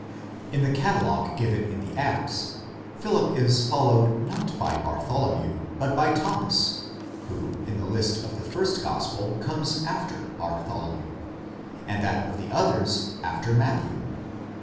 In the catalogue given in the Acts, Philip is followed, not by Bartholomew, but by Thomas, who in the list of the first gospel comes after Bartholomew, in that of the others, after Matthew.